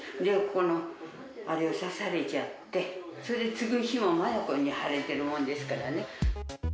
ここのあれを刺されちゃって、それで次の日もまだこういうふうに腫れてるもんですからね。